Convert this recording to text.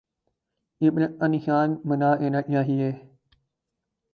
عبرت کا نشان بنا دینا چاہیے؟